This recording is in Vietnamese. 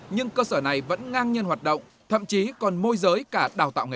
nhưng cơ sở này vẫn ngang nhân hoạt động thậm chí còn môi giới cả đào tạo nghề